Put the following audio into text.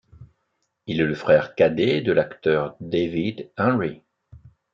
Il est le frère cadet de l'acteur David Henrie.